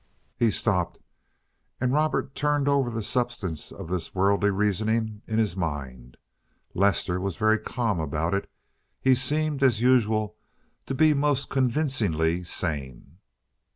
He stopped, and Robert turned over the substance of this worldly reasoning in his mind. Lester was very calm about it. He seemed, as usual, to be most convincingly sane.